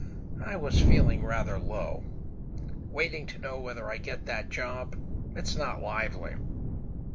I was feeling rather low. Waiting to know whether I get that job—it's not lively."